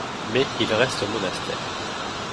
Mais il reste au monastère.